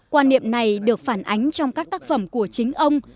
quan niệm này được phản ánh trong các tác phẩm của chính ông